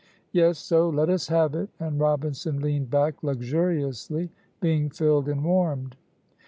"Yes, so let us have it;" and Robinson leaned back luxuriously, being filled and warmed.